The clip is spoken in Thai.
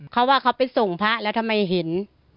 เขาว่าเขาไปส่งพระแล้วทำไมเห็น